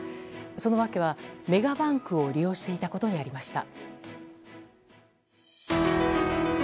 その訳は、メガバンクを利用していたことにありました。